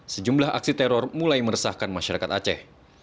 sejumlah aksi teror mulai meresahkan masyarakat aceh